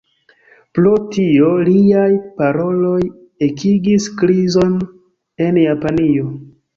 Pro tio, liaj paroloj ekigis krizon en Japanio.